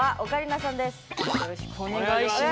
よろしくお願いします。